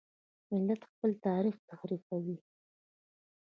ملت خپل تاریخ تحریفوي.